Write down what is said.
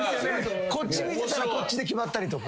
こっち見てたらこっちで決まったりとか。